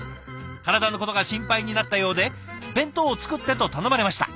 体のことが心配になったようで『弁当を作って』と頼まれました。